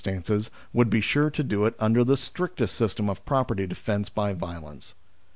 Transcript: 101 stances, would be sure to do it under the strictest system of property defence by violence.